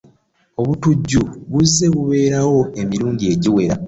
Obutujju buze bubeerawo emirundi egiwera.